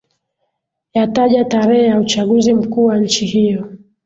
yataja tarehe ya uchaguzi mkuu wa nchi hiyo